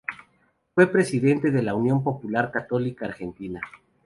Fue presidente de la Unión Popular Católica Argentina.